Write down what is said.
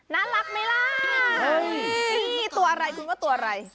น่ารักไหมล่ะนี่ตัวอะไรคุณว่าตัวอะไร